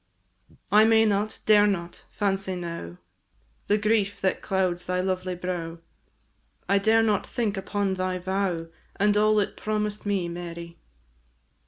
I may not, dare not, fancy now The grief that clouds thy lovely brow, I dare not think upon thy vow, And all it promised me, Mary.